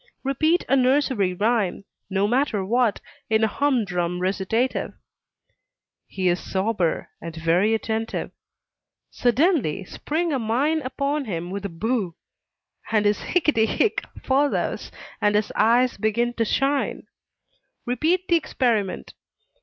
Repeat a nursery rhyme, no matter what, in a humdrum recitative; he is sober, and very attentive. Suddenly spring a mine upon him with a "Boo!" His "Hicketty hick!" follows, and his eyes begin to shine. Repeat the experiment.